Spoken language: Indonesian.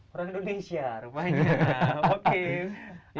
orang indonesia rupanya oke